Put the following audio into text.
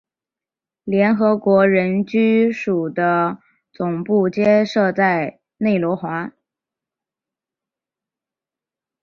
联合国人居署的总部皆设在内罗毕。